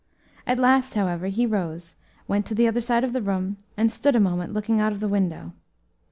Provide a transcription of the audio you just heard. At last, however, he rose, went to the other side of the room, and stood a moment looking out of the window.